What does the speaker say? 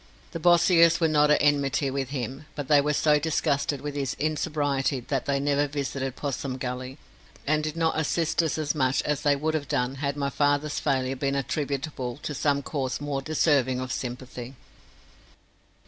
The Bossiers were not at enmity with him, but they were so disgusted with his insobriety that they never visited Possum Gully, and did not assist us as much as they would have done had my father's failure been attributable to some cause more deserving of sympathy.